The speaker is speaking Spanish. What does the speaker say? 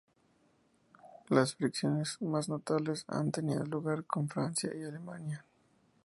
Las fricciones más notables han tenido lugar con Francia y Alemania.